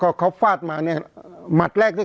เพราะฉะนั้นประชาธิปไตยเนี่ยคือการยอมรับความเห็นที่แตกต่าง